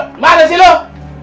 eh kemana sih nih orang